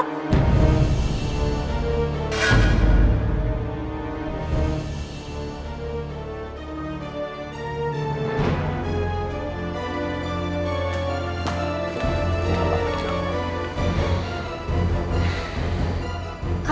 gak salah kejauhan